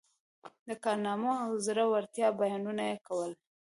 د کارنامو او زړه ورتیا بیانونه یې کول.